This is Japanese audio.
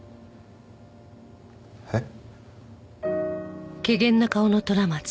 えっ？